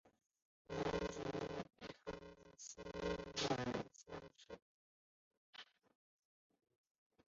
南直隶辛卯乡试。